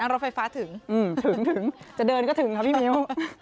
รถไฟฟ้าถึงถึงจะเดินก็ถึงค่ะพี่มิ้ว